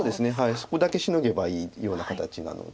そこだけシノげばいいような形なので。